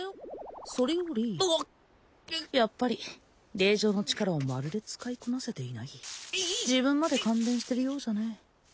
それよりうおっやっぱり霊杖の力をまるで使いこなせていない自分まで感電してるようじゃね